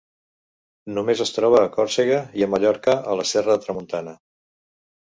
Només es troba a Còrsega i a Mallorca a la Serra de Tramuntana.